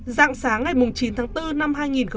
dạng sáng ngày chín tháng bốn năm hai nghìn hai mươi